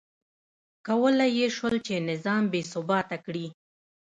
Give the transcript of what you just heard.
کولای یې شول چې نظام بې ثباته کړي.